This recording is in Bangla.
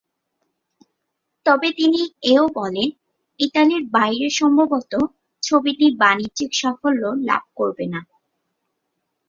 তবে তিনি এ-ও বলেন, ইতালির বাইরে সম্ভবত ছবিটি বাণিজ্যিক সাফল্য লাভ করবে না।